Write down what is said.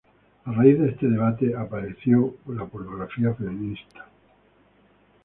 A raíz de este debate apareció la pornografía feminista.